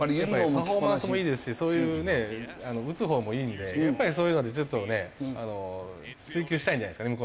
パフォーマンスもいいですしそういうね打つほうもいいのでやっぱりそういうのでちょっとね追求したいんじゃないですかね